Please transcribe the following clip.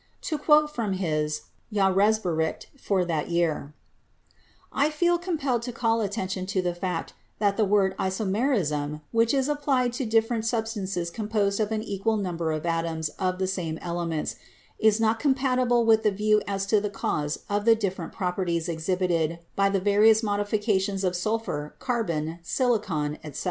To quote from his 'J anre s bericht' for that year: "I feel compelled to call attention to the fact that the word isomerism, which is applied to different substances composed of an equal number of atoms of the same ele ments, is not compatible with the view as to the cause of the different properties exhibited by the various modi fications of sulphur, carbon, silicon, etc. .